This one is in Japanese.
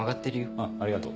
うんありがとう